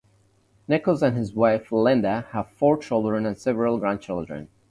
Nickles and his wife, Linda, have four children and several grandchildren.